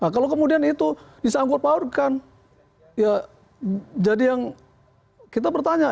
kalau kemudian itu disangkut pautkan jadi yang kita bertanya